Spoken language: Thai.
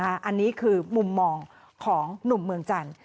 อันนี้คือมุมมองของหนุ่มเมืองจันทร์